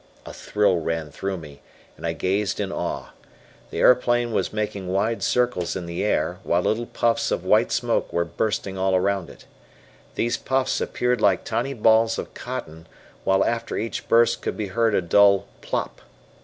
A thrill ran through me and I gazed in awe. The aeroplane was making wide circles in the air, while little puffs of white smoke were bursting all around it. These puffs appeared like tiny balls of cotton while after each burst could be heard a dull "plop."